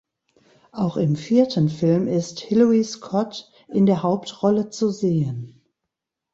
Auch im vierten Film ist Hillary Scott in der Hauptrolle zu sehen.